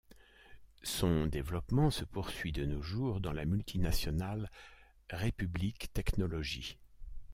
Son développement se poursuit de nos jours dans la multinationale Républic technologie.